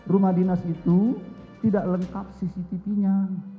rumah dinas itu tidak lengkap cctv nya